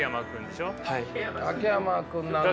秋山君なんかは。